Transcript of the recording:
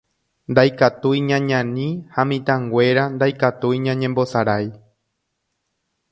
Ndaikatúi ñañani ha mitãnguéra ndaikatúi ñañembosarái.